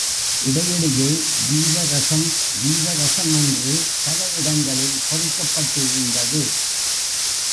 இடையிடையே ஜீவரசம், ஜீவரசம் என்று பல இடங்களில் பொறிக்கப்பட்டிருந்தது.